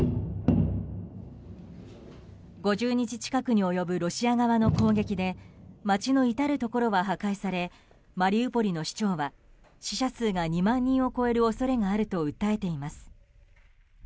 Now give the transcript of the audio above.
５０日近くに及ぶロシア側の攻撃で街の至るところは破壊されマリウポリの市長は死者数が２万人を超える恐れがあると訴えています。